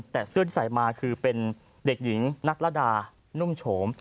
แต่เสื้อที่ใส่มาคือเป็นเด็กหญิงนักรดานุ่มโฉม